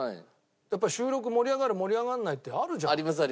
やっぱり収録盛り上がる盛り上がらないってあるじゃん。